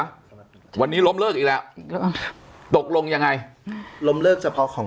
หรือวันนี้ล้มลือกอีกแล้วก็ตกลงยังไงล้มลือกเฉพาะของ